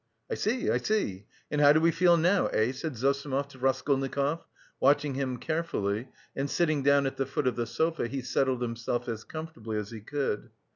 "I see, I see; and how do we feel now, eh?" said Zossimov to Raskolnikov, watching him carefully and, sitting down at the foot of the sofa, he settled himself as comfortably as he could.